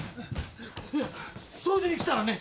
掃除に来たらね